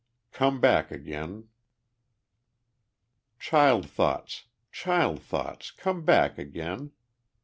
Come Back Again Child thoughts, child thoughts, come back again!